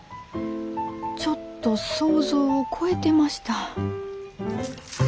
ちょっと想像を超えてました。